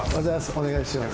お願いします。